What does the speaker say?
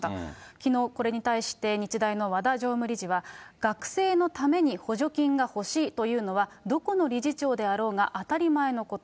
きのう、これに対して日大の和田常務理事は、学生のために補助金が欲しいというのは、どこの理事長であろうが当たり前のこと。